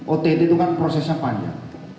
ott itu kan prosesnya panjang